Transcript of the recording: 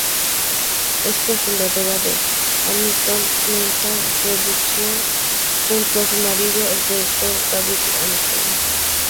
Es cofundadora de Hamilton-Mehta Productions, junto con su marido el productor David Hamilton.